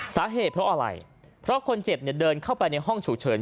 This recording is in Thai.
สาเหตุเพราะอะไรเพราะคนเจ็บเนี่ยเดินเข้าไปในห้องฉุกเฉิน